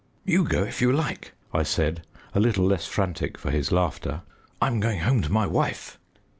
"You go, if you like," I said, a little less frantic for his laughter; "I'm going home to my wife."